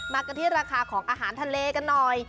กันที่ราคาของอาหารทะเลกันหน่อย